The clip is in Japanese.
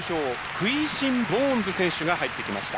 クイーシン・ボーンズ選手が入ってきました。